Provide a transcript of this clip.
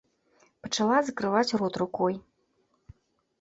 Пачала закрываць рот рукой.